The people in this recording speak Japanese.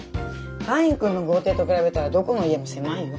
カインくんの豪邸と比べたらどこの家も狭いよ。